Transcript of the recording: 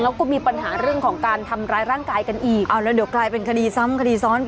แล้วก็มีปัญหาเรื่องของการทำร้ายร่างกายกันอีก